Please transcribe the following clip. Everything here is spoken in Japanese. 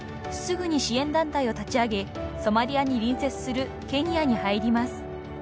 ［すぐに支援団体を立ち上げソマリアに隣接するケニアに入ります］